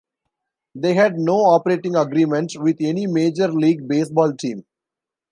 They had no operating agreement with any Major League Baseball team.